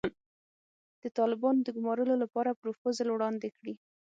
د طالبانو د ګومارلو لپاره پروفوزل وړاندې کړي.